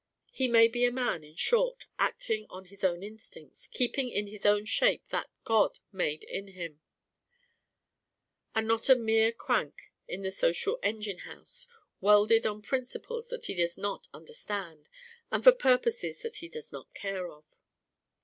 He may be a man, in short, acting on his own instincts, keeping in his own shape that God made him in; and not a mere crank in the social engine house, welded on principles that he does not understand, and for purposes that he does not care for.